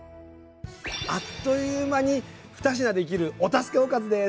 あっという間に２品できるお助けおかずです。